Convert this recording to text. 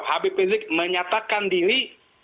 hpb menyatakan diri